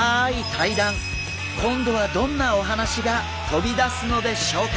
今度はどんなお話が飛び出すのでしょうか？